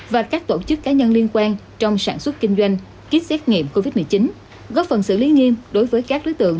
và các tổ chức cá nhân liên quan trong sản xuất kinh doanh kit xét nghiệm covid một mươi chín góp phần xử lý nghiêm đối với các đối tượng